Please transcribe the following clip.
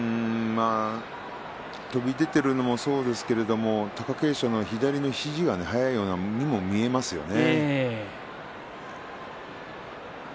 飛び出ているのもそうですけれども貴景勝の肘が速いようにも見えますね。